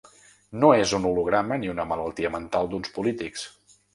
No és un holograma ni una malaltia mental d’uns polítics.